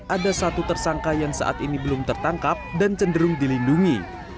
ada satu tersangka yang saat ini belum tertangkap dan cenderung dilindungi